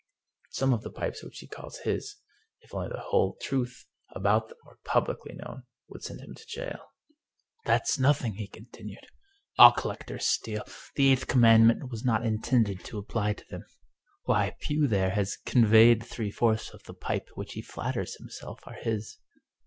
Some of the pipes which he calls his, if only the whole truth about them were publicly known, would send him to jail. " That's nothing !" he continued. " All collectors steal ! The eighth commandment was not intended to apply to them. Why, Pugh there has * conveyed ' three fourths of the pipes which he flatters himself are his."